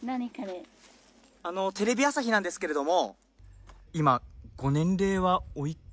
テレビ朝日なんですけれども。